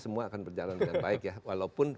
semua akan berjalan dengan baik ya walaupun